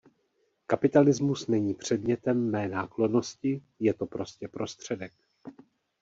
Kapitalismus není předmětem mé náklonnosti, je to prostě prostředek.